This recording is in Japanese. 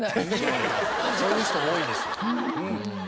そういう人多いですよ。